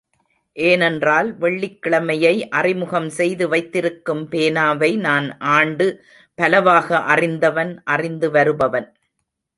ஏனென்றால், வெள்ளிக்கிழமை யை அறிமுகம் செய்து வைத்திருக்கும் பேனாவை நான் ஆண்டு பலவாக அறிந்தவன் அறிந்து வருபவன்.